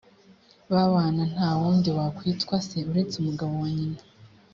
babana nta wundi wakwitwa se uretse umugabo wa nyina